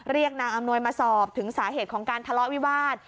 นางอำนวยมาสอบถึงสาเหตุของการทะเลาะวิวาส